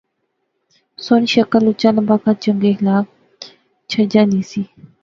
سوہنی شکل، اُچا لمبا قد، چنگے اخلاق، چجا لی سی